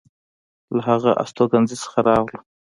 له هغه استوګنځي څخه راغلو.